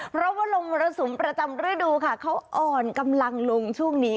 เพราะว่าลมมรสุมประจำฤดูค่ะเขาอ่อนกำลังลงช่วงนี้